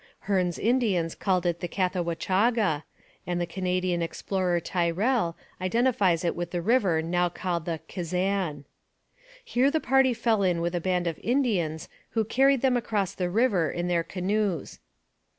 Hearne's Indians called it the Cathawachaga, and the Canadian explorer Tyrrell identifies it with the river now called the Kazan. Here the party fell in with a band of Indians who carried them across the river in their canoes.